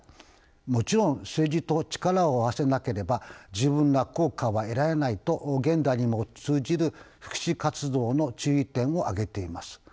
もちろん政治と力を合わせなければ十分な効果は得られない」と現代にも通じる福祉活動の注意点を挙げています。